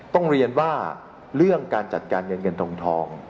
ต้องเรียนว่าเรื่องการจัดการเงินเงินทองทอง